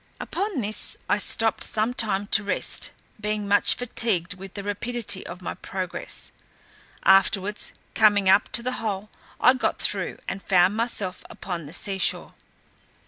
Upon this, I stopped some time to rest, being much fatigued with the rapidity of my progress: afterwards coming up to the hole, I got through, and found myself upon the sea shore.